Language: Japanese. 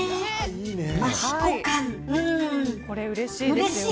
これうれしいですね。